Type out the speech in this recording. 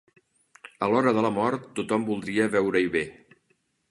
A l'hora de la mort tothom voldria veure-hi bé.